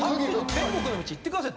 天国の道行ってください！